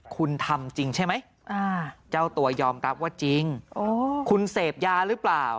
คุณทำจริงใช่ไหมเจ้าตัวยอมรับว่าจริงคุณเสพยาหรือเปล่า